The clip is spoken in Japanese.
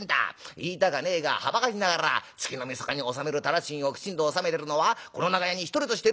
言いたかねえがはばかりながら月のみそかに納める店賃をきちんと納めてるのはこの長屋に一人としているかってんだい。